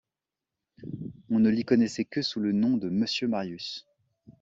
On ne l’y connaissait que sous le nom de monsieur Marius.